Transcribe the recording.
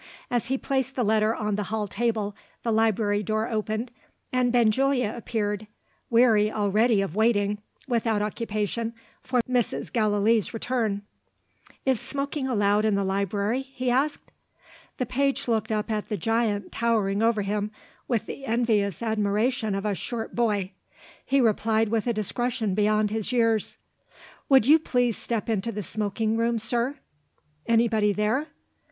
As he placed the letter on the hall table, the library door opened, and Benjulia appeared weary already of waiting, without occupation, for Mrs. Gallilee's return. "Is smoking allowed in the library?" he asked. The page looked up at the giant towering over him, with the envious admiration of a short boy. He replied with a discretion beyond his years: "Would you please step into the smoking room, sir?" "Anybody there?"